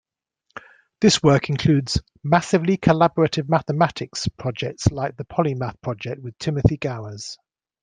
This work includes "massively collaborative mathematics" projects like the Polymath project with Timothy Gowers.